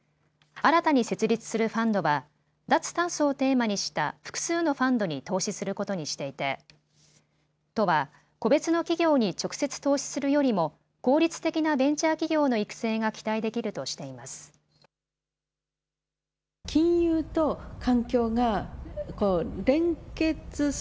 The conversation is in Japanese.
新たに設立するファンドは脱炭素をテーマにした複数のファンドに投資することにしていて都は個別の企業に直接投資するよりも効率的なベンチャー企業の育成が期待できるとしています。